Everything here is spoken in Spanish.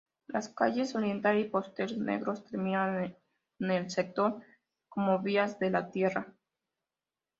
Las calles Oriental y Postes Negros terminan en el sector como vías de tierra.